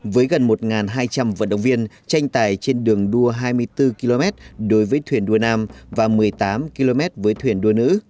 với gần một hai trăm linh vận động viên tranh tài trên đường đua hai mươi bốn km đối với thuyền đua nam và một mươi tám km với thuyền đua nữ